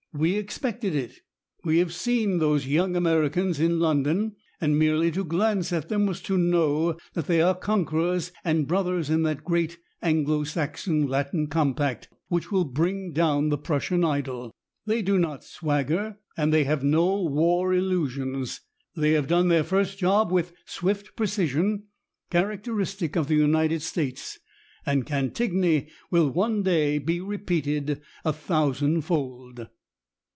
We expected it. We have seen those young Americans in London, and merely to glance at them was to know that they are conquerors and brothers in that great Anglo Saxon Latin compact which will bring down the Prussian idol.... They do not swagger, and they have no war illusions. They have done their first job with swift precision, characteristic of the United States, and Cantigny will one day be repeated a thousand fold."